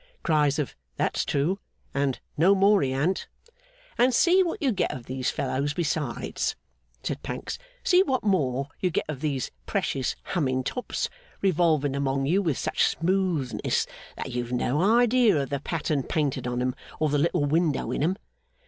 Cries of 'That's true!' and 'No more he an't!' 'And see what you get of these fellows, besides,' said Pancks. 'See what more you get of these precious Humming Tops, revolving among you with such smoothness that you've no idea of the pattern painted on 'em, or the little window in 'em.